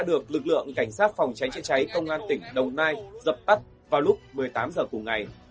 đồng nai dập tắt vào lúc một mươi tám h cùng ngày